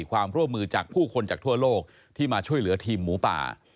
ความร่วมมือจากผู้คนจากทั่วโลกที่มาช่วยเหลือทีมหมูป่า